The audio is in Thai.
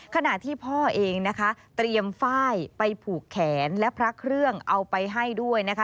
ขณะที่พ่อเองนะคะเตรียมฝ้ายไปผูกแขนและพระเครื่องเอาไปให้ด้วยนะคะ